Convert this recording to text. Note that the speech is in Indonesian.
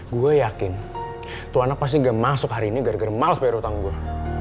gue yakin tuh anak pasti gak masuk hari ini gara gara males biar utang gue